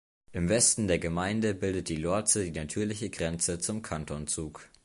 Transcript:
Im Westen der Gemeinde bildet die Lorze die natürliche Grenze zum Kanton Zug.